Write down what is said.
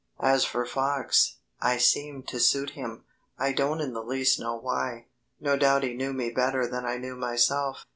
As for Fox, I seemed to suit him I don't in the least know why. No doubt he knew me better than I knew myself.